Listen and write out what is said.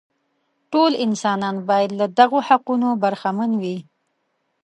ټول انسانان باید له دغو حقونو برخمن وي.